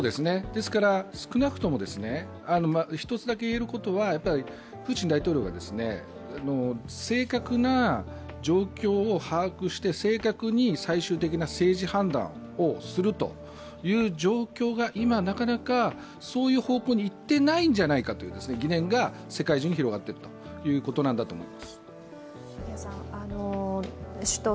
ですから少なくとも１つだけ言えることはプーチン大統領が正確な状況を把握して正確に最終的な政治判断をするという状況が今なかなかそういう方向にいってないんじゃないかという疑念が世界中に広がっているということなんだと思います。